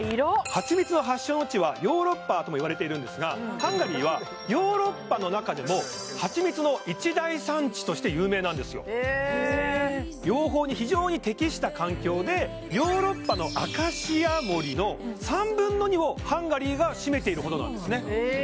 蜂蜜の発祥の地はヨーロッパともいわれているんですがハンガリーはヨーロッパの中でも蜂蜜の一大産地として有名なんですよヨーロッパのアカシア森の３分の２をハンガリーが占めているほどなんですね